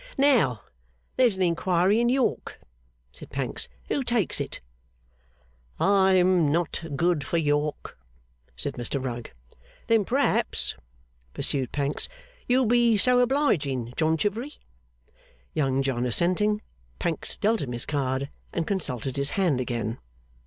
'Now, there's an Enquiry in York,' said Pancks. 'Who takes it?' 'I'm not good for York,' said Mr Rugg. 'Then perhaps,' pursued Pancks, 'you'll be so obliging, John Chivery?' Young John assenting, Pancks dealt him his card, and consulted his hand again.